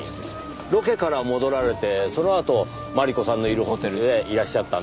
ロケから戻られてそのあと万里子さんのいるホテルへいらっしゃったんですねぇ。